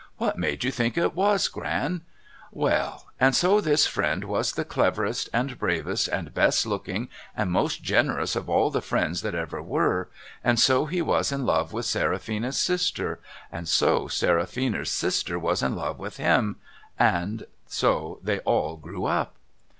' What made you think it was, Gran ? Well ! And so this friend was the cleverest and bravest and best looking and most generous of all the friends that ever were, and so he was in love with Seraphina's sister, and so Seraphina's sister was in love with him, and so they all grew up.'